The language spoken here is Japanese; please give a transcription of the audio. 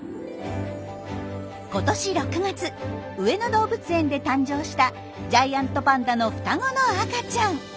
今年６月上野動物園で誕生したジャイアントパンダの双子の赤ちゃん。